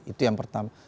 itu yang pertama